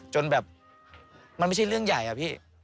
จนแบบมันไม่ใช่เรื่องใหญ่อะพี่